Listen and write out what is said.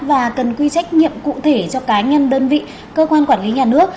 và cần quy trách nhiệm cụ thể cho cá nhân đơn vị cơ quan quản lý nhà nước